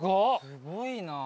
すごいな。